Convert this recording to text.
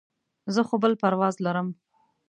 زه خو بل پرواز لرم.